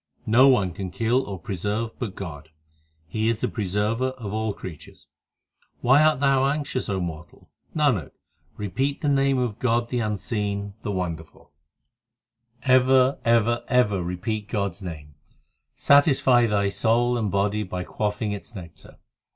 No one can kill or preserve but God ; He is the Preserver of all creatures. Why art thou anxious, O mortal ? Nanak, repeat the name of God the unseen, the wonderful ; Ever, ever, ever repeat God s name ; Satisfy thy soul and body by quaffing its nectar.